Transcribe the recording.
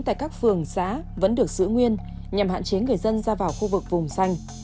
tại các phường xã vẫn được giữ nguyên nhằm hạn chế người dân ra vào khu vực vùng xanh